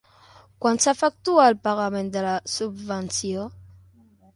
Quan s'efectua el pagament de la subvenció?